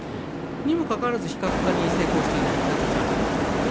にもかかわらず、非核化に成功していない、北朝鮮は諦めていない。